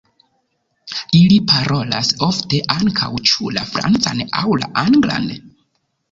Ili parolas ofte ankaŭ ĉu la francan aŭ la anglan.